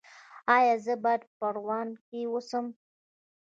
ایا زه باید په پروان کې اوسم؟